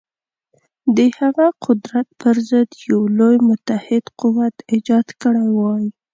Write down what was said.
د هغه قدرت پر ضد یو لوی متحد قوت ایجاد کړی وای.